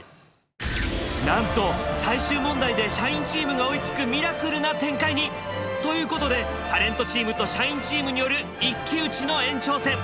なんと最終問題で社員チームが追いつくミラクルな展開に。ということでタレントチームと社員チームによる一騎打ちの延長戦！